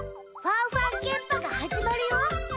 ファンファンケンパが始まるよ。